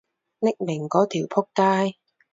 匿名嗰條僕街